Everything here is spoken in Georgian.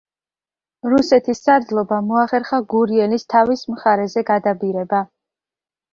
რუსეთის სარდლობამ მოახერხა გურიელის თავის მხარეზე გადაბირება.